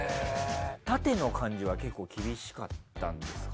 縦の感じは結構厳しかったんですか？